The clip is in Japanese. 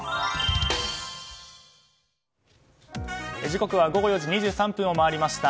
時刻は午後４時２３分を回りました。